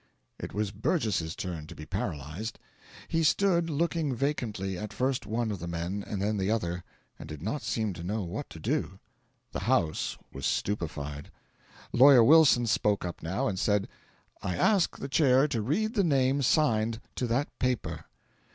It was Burgess's turn to be paralysed. He stood looking vacantly at first one of the men and then the other, and did not seem to know what to do. The house was stupefied. Lawyer Wilson spoke up now, and said: "I ask the Chair to read the name signed to that paper."